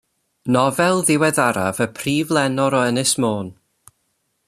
Nofel ddiweddaraf y Prif Lenor o Ynys Môn.